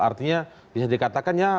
artinya bisa dikatakannya